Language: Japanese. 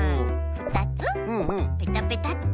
２つペタペタッと。